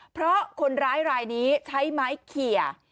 เพราะคนร้ายรายนี้ใช้ไม้เขีย